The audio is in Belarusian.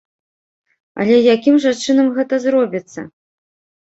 Але якім жа чынам гэта зробіцца?